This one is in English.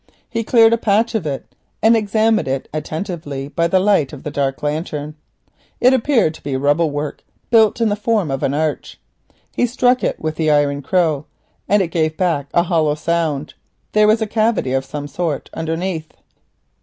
He cleared a patch of it and examined it attentively, by the light of the dark lantern. It appeared to be rubble work built in the form of an arch. He struck it with the iron crow and it gave back a hollow sound. There was a cavity of some sort underneath.